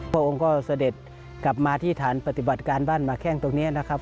พระองค์ก็เสด็จกลับมาที่ฐานปฏิบัติการบ้านหมาแข้งตรงนี้นะครับ